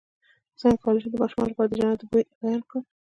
څنګه کولی شم د ماشومانو لپاره د جنت د بوی بیان کړم